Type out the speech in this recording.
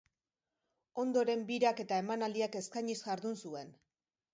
Ondoren birak eta emanaldiak eskainiz jardun zuen.